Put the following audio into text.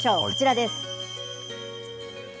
こちらです。